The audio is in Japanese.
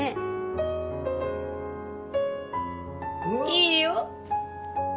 いいよ。